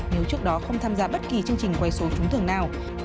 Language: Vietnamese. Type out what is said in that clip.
nếu trước đó không tham gia bất kỳ chương trình quay số trúng thưởng nào